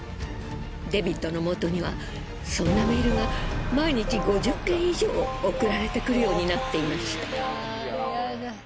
デビッドの元にはそんなメールが毎日５０件以上送られてくるようになっていました。